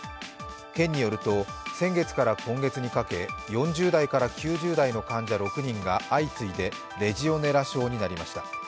県によると、先月から今月にかけ４０代から９０代の患者６人が相次いでレジオネラ症になりました。